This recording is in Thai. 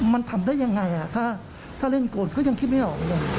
มันทำได้อย่างไรถ้าเล่นกดก็ยังคิดไม่ได้ออกเลย